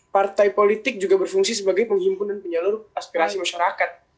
partai politik juga berfungsi sebagai penghimpunan penyalur aspirasi masyarakat